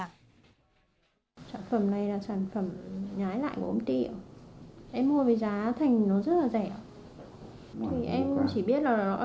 sản phẩm này là sản phẩm nhái lại của ông tị em mua về giá thành nó rất là rẻ